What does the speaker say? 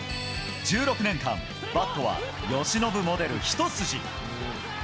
１６年間、バットは由伸モデル一筋。